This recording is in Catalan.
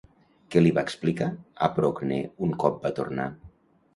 Què li va explicar a Procne un cop va tornar?